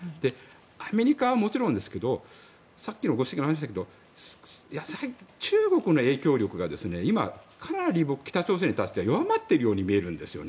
アメリカはもちろんですがさっきのご指摘にもありましたが中国の影響力が今、かなり北朝鮮に対して弱まっているように見えるんですよね。